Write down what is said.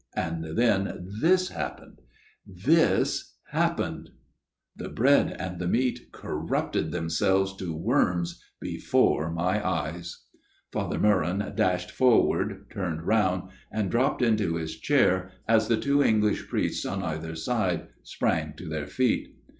And then this happened this happened ..." The bread and the meat corrupted themselves to worms before my eyes " Father Meuron dashed forward, turned round, and dropped into his chair as the two English priests on either side sprang to their feet.